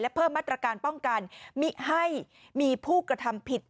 เพิ่มมาตรการป้องกันมิให้มีผู้กระทำผิด